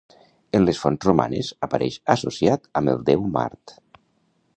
En les fonts romanes apareix associat amb el déu Mart.